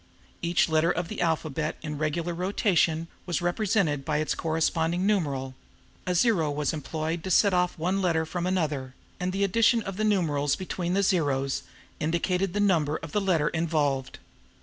Each letter of the alphabet in regular rotation was represented by its corresponding numeral; a zero was employed to set off one letter from another, and the addition of the numerals between the zeros indicated the number of the letter involved.